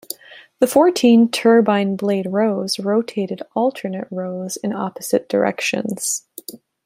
The fourteen turbine blade rows rotated alternate rows in opposite directions.